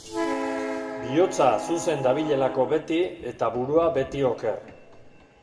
Bihotza zuzen dabilelako beti, eta burua beti oker.